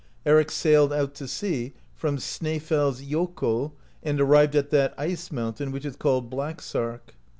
Eric sailed out to sea from Snaefells iokul, and arrived at that ice mountain (24) which is called Blacksark.